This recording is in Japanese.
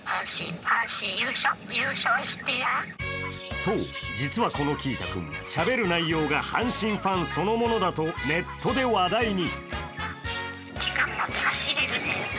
そう、実はこのキー太君、しゃべる内容が阪神ファンそのものだとネットで話題に。